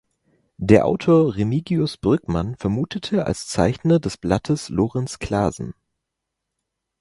Der Autor Remigius Brückmann vermutete als Zeichner des Blattes Lorenz Clasen.